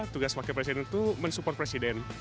tugas wakil presiden itu mensupport presiden